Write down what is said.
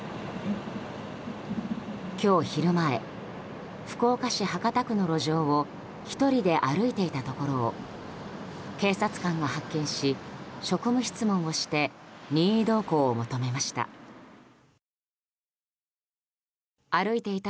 今日昼前、福岡市博多区の路上を１人で歩いていたところを警察官が発見し、職務質問をして任意同行を求めました。